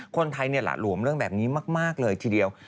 คนไทยหละหลวมเรื่องแบบนี้มากเลยทีเดียว